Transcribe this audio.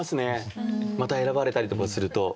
また選ばれたりとかすると。